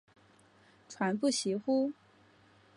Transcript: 传不习乎？